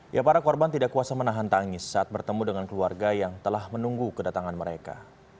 ya para korban tidak kuasa menahan tangis saat bertemu dengan keluarga yang telah menunggu kedatangan mereka